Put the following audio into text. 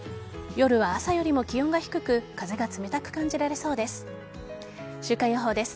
夜は朝よりも気温が低く風が冷たく感じられそうです。